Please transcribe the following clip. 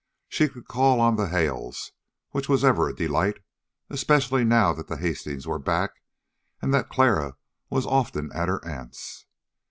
She could call on the Hales, which was ever a delight, especially now that the Hastings were back and that Clara was often at her aunt's.